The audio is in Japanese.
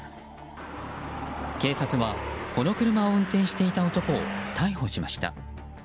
警察は、この車を運転していた男を逮捕しました。